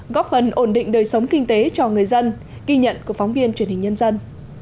góp phần ổn định đời sống kinh tế cho người dân ghi nhận của phóng viên truyền hình nhân dân